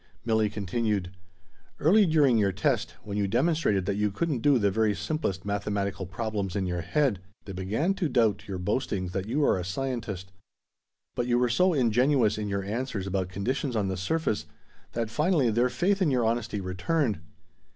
Milli continued: "Early during your test, when you demonstrated that you couldn't do the very simplest mathematical problems in your head, they began to doubt your boastings that you are a scientist. But you were so ingenuous in your answers about conditions on the surface, that finally their faith in your honesty returned.